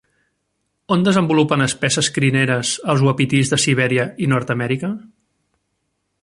On desenvolupen espesses crineres els uapitís de Sibèria i Nord-amèrica?